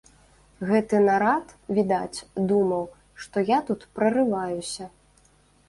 Гэты нарад, відаць, думаў, што я тут прарываюся.